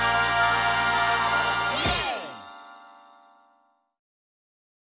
イエーイ！